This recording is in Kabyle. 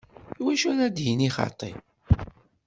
Iwacu ara d-yini xaṭi?